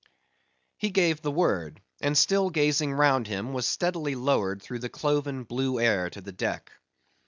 He gave the word; and still gazing round him, was steadily lowered through the cloven blue air to the deck.